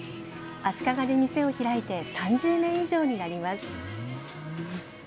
足利で店を開いて３０年以上になります。